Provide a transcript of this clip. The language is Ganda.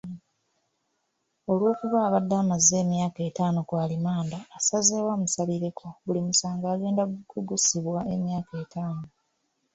Olw'okuba abadde amaze emyaka ettaano ku alimanda, asazeewo amusalireko, buli musango agenda kugusibwa emyaka ettaano.